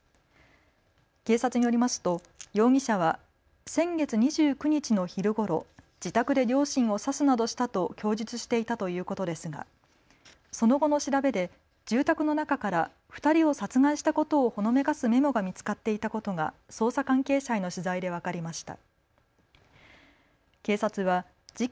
警察によりますと容疑者は先月２９日の昼ごろ、自宅で両親を刺すなどしたと供述していたということですがその後の調べで住宅の中から２人を殺害したことをほのめかすメモが見つかっていたことが捜査関係者への取材で分かりました。